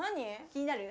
気になる？